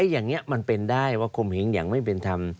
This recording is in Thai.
อย่างนี้มันเป็นได้ว่าคมเหงอย่างไม่เป็นธรรม